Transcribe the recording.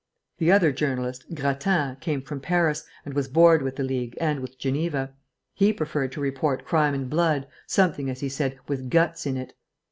The other journalist, Grattan, came from Paris, and was bored with the League and with Geneva. He preferred to report crime and blood, something, as he said, with guts in it.